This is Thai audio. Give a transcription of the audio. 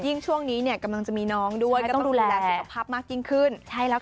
ช่วงนี้เนี่ยกำลังจะมีน้องด้วยก็ต้องดูแลสุขภาพมากยิ่งขึ้น